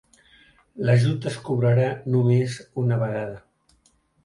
L'ajut es cobrarà només una vegada.